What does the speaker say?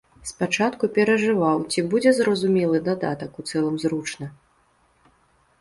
Спачатку перажываў, ці будзе зразумелы дадатак, у цэлым зручна.